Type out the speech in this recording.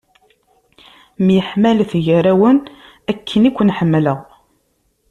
Myeḥmalet gar-awen akken i ken-ḥemmleɣ.